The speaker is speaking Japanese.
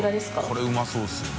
これうまそうですよね。